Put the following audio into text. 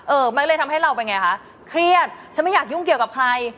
มันเลยทำให้เราเป็นไงคะเครียดฉันไม่อยากยุ่งเกี่ยวกับใคร